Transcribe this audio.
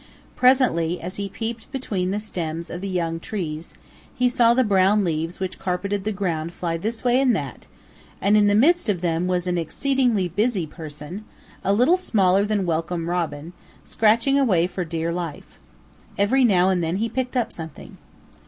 Presently, as he peeped between the stems of the young trees, he saw the brown leaves which carpeted the ground fly this way and that, and in the midst of them was an exceedingly busy person, a little smaller than Welcome Robin, scratching away for dear life. Every now and then he picked up something.